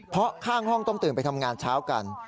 เพราะข้างห้องต้องตื่นไปทำงานเช้ากัน